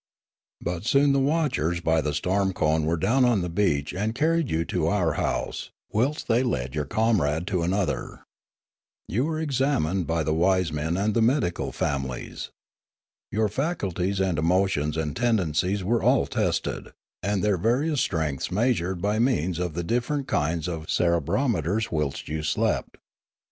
But soon the watchers by the storm cone were down on the beach and carried you to our house, whilst they led your comrade to another. You were each examined 8 Limanora by the wise men and the medical families. Your faculties and emotions and tendencies were all tested, and their various strengths measured by means of the different kinds of cerebrometers whilst you slept.